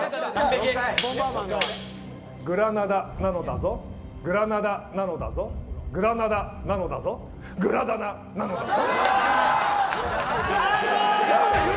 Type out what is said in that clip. グラナダなのだぞグラナダなのだぞグラナダなのだぞグラダダなのだぞ。